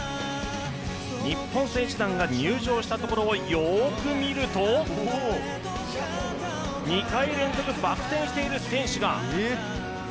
日本選手団が入場したところをよーく見ると２回連続バク転している選手が。